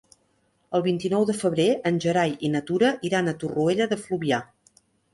El vint-i-nou de febrer en Gerai i na Tura iran a Torroella de Fluvià.